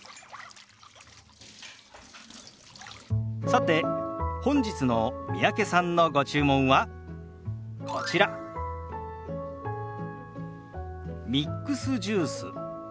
さて本日の三宅さんのご注文はこちらミックスジュース。